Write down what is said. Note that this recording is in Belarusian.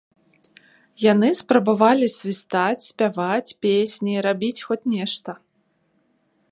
Яны спрабавалі свістаць, спяваць песні, рабіць хоць нешта.